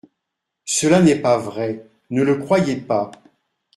Cela n'est pas vrai ; ne le croyez pas.